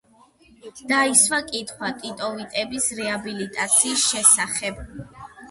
დაისვა კითხვა „ტიტოვიტების“ რეაბილიტაციის შესახებ.